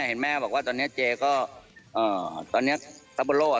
เห็นแม่บอกว่าตอนเนี้ยเจ๊ก็เอ่อตอนเนี้ยซับโบโล่อ่ะ